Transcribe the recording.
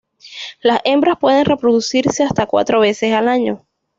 Las hembras pueden reproducirse hasta cuatro veces al año.